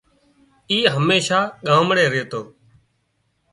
اي هميشان ڳامڙي ريتو